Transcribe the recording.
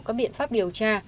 các biện pháp điều tra